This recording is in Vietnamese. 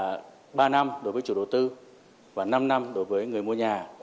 còn thời gian đơn hạn thì là ba năm đối với chủ đầu tư và năm năm đối với người mua nhà